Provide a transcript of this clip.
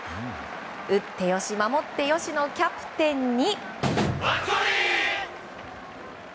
打って良し、守って良しのキャプテンに。